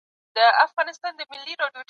ايا پانګه په معاصر اقتصاد کي مهم رول نه لري؟